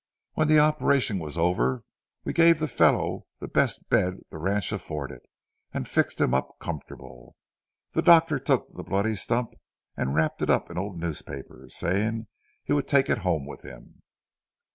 When the operation was over, we gave the fellow the best bed the ranch afforded and fixed him up comfortable. The doctor took the bloody stump and wrapped it up in an old newspaper, saying he would take it home with him.